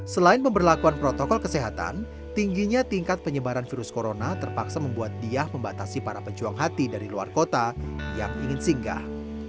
selain pemberlakuan protokol kesehatan tingginya tingkat penyebaran virus corona terpaksa membuat diah membatasi para pejuang hati dari luar kota yang ingin singgah